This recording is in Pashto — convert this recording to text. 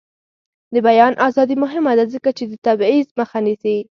د بیان ازادي مهمه ده ځکه چې د تبعیض مخه نیسي.